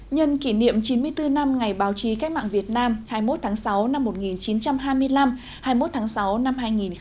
nhân kỷ niệm chín mươi bốn năm ngày báo chí cách mạng việt nam hai mươi một tháng sáu năm một nghìn chín trăm hai mươi năm hai mươi một tháng sáu năm hai nghìn hai mươi